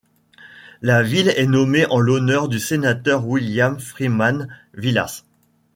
La ville est nommée en l'honneur du sénateur William Freeman Vilas.